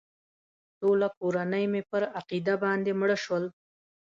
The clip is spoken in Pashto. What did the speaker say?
ټوله کورنۍ مې پر عقیده باندې مړه شول.